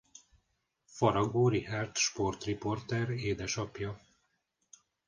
Faragó Richard sportriporter édesapja.